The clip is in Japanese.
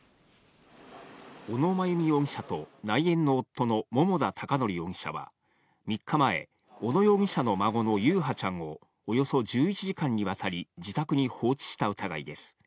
小野真由美容疑者と、内縁の夫の桃田貴徳容疑者は、３日前、小野容疑者の孫の優陽ちゃんを、およそ１１時間にわたり、自宅に放置した疑いです。